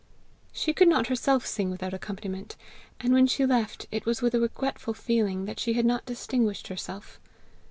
She could not herself sing without accompaniment, and when she left, it was with a regretful feeling that she had not distinguished herself.